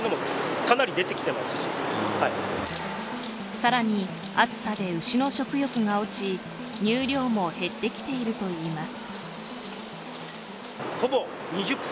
さらに、暑さで牛の食欲が落ち乳量も減ってきているといいます。